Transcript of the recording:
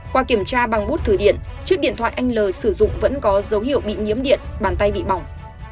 qua kiểm tra bằng bút thử điện chiếc điện thoại anh l sử dụng vẫn có dấu hiệu bị nhiễm điện bàn tay bị bỏng